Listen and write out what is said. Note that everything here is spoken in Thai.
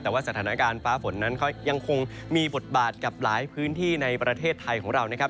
แต่ว่าสถานการณ์ฟ้าฝนนั้นเขายังคงมีบทบาทกับหลายพื้นที่ในประเทศไทยของเรานะครับ